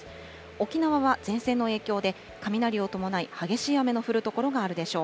沖縄は前線の影響で雷を伴い、激しい雨の降る所があるでしょう。